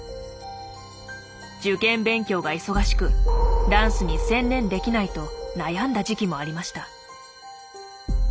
受験勉強が忙しくダンスに専念できないと悩んだ時期もありました。